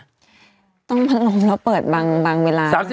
ต้องพัดลมแล้วเปิดบางเวลา